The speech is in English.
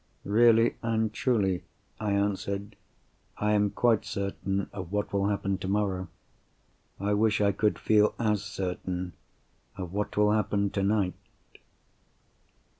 _" "Really and truly," I answered. "I am quite certain of what will happen tomorrow. I wish I could feel as certain of what will happen tonight."